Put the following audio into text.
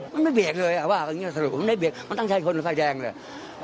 มันไม่เบียกเลยอ่ะว่าอย่างงี้สรุปมันได้เบียกมันต้องใช้คนในฝ่ายแยงเลย